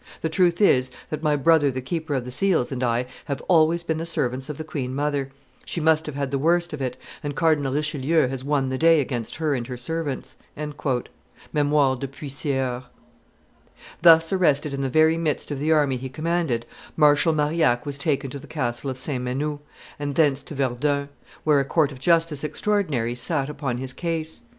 The truth is, that my brother the keeper of the seals and I have always been the servants of the queen mother; she must have had the worst of it, and Cardinal Richelieu has won the day against her and her servants." [Memoires de Puy Seyur.] Thus arrested in the very midst of the army he commanded, Marshal Marillac was taken to the castle of St. Menehould and thence to Verdun, where a court of justice extraordinary sat upon his case.